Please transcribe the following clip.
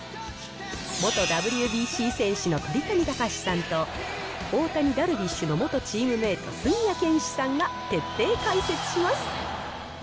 元ＷＢＣ戦士の鳥谷敬さんと大谷、ダルビッシュの元チームメート、杉谷拳士さんが徹底解説します。